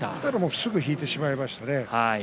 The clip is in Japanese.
すぐ引いてしまいました。